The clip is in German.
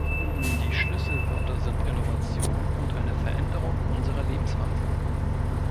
Die Schlüsselwörter sind Innovation und eine Veränderung unserer Lebensweise.